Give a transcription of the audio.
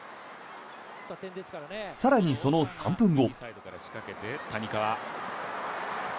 更にその３分後。